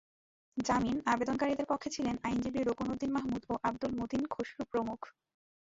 জামিন আবেদনকারীদের পক্ষে ছিলেন আইনজীবী রোকনউদ্দিন মাহমুদ ও আবদুল মতিন খসরু প্রমুখ।